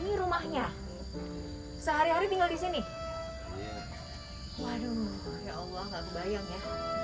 ini rumahnya sehari hari tinggal di sini waduh ya allah nggak kebayang ya